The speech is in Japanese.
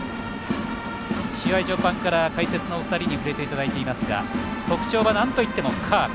試合序盤から解説のお二人に触れていただいていますが特徴は、なんといってもカーブ。